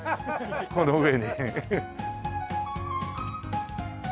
この上に。